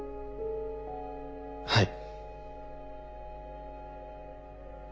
はい。